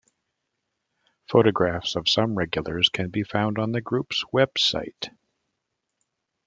Photographs of some regulars can be found on the group's web site.